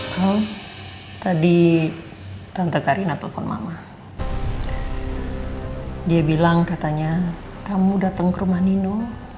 kau tadi tante karina telepon mama dia bilang katanya kamu datang ke rumah nino